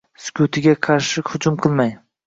Sukutiga qarshi hujum qilmang.